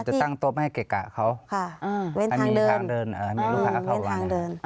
เราก็จะตั้งตบให้เกะกะเขาค่ะเว้นทางเดินมีทางเดินมีลูกค้าเข้ามา